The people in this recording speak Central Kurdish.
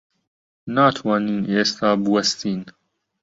ناتوانین ئێستا بوەستین.